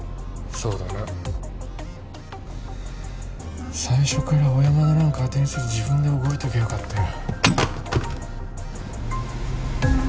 そうだな最初から小山田なんか当てにせず自分で動いときゃよかったよ